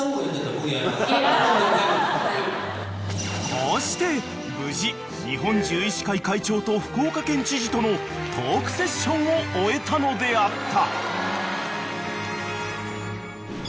［こうして無事日本獣医師会会長と福岡県知事とのトークセッションを終えたのであった］